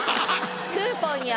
「クーポンや」